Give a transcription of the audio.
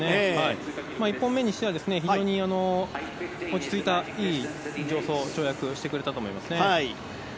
１本目にしては非常に落ち着いた、いい助走、跳躍をしてくれたと思います。